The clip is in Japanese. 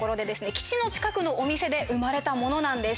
基地の近くのお店で生まれたものなんです